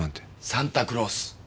サンタクロース。